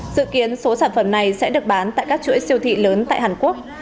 dự kiến số sản phẩm này sẽ được bán tại các chuỗi siêu thị lớn tại hàn quốc